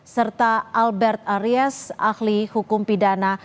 serta albert aries ahli hukum pidana